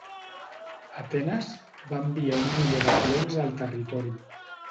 Atenes va enviar un milè de colons al territori.